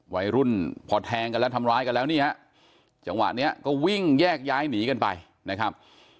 วัยรุ่นพอแทงกันแล้วทำร้ายกันแล้วนี่ฮะจังหวะนี้ก็วิ่งแยกย้ายหนีกันไปนะครับ